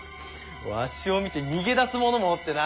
わしを見て逃げ出す者もおってな。